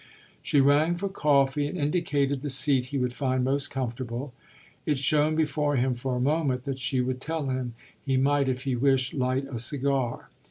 She rang for coffee and indicated the seat he would find most comfortable: it shone before him for a moment that she would tell him he might if he wished light a cigar.